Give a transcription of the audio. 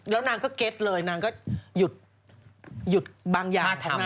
แล้วนางก็เก็บเลยนางก็หยุดบางอย่างของนางได้